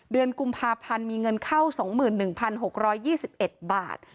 เดือนกุมภาพันธ์มีเงินเข้า๒๑๖๒๑บาท